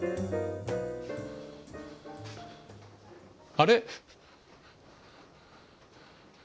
あれ？